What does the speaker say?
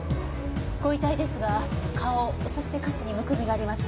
ご遺体ですが顔そして下肢にむくみがあります。